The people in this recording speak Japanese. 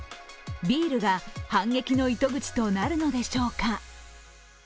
ビールが反撃の糸口となるのでしょうか。